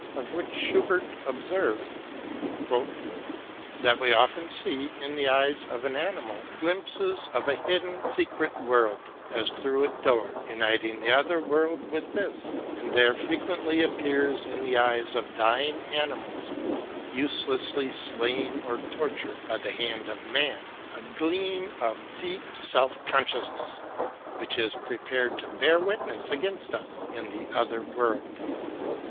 Of which Schubert observes, " that we often see, in the eyes of an animal, glimpses of a hidden, secret world, as through a door, uniting the other world with this ; and there frequently ap pears in the eyes of dying animals, uselessly slain or tortured by the hand of man, a gleam of deep self consciousness, which is prepared to bear witness against us in the other world."